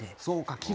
そうか。